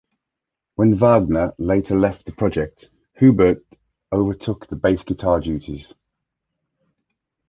When Wagner later left the project, Hubert overtook the bass guitar duties.